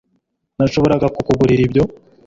Nashoboraga kukugurira ibyo